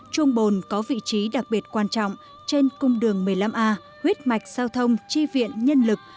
chuồng bồn có vị trí đặc biệt quan trọng trên cung đường một mươi năm a huyết mạch giao thông chi viện nhân lực